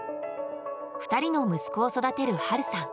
２人の息子を育てる春さん